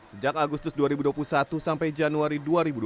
sejak agustus dua ribu dua puluh satu sampai januari dua ribu dua puluh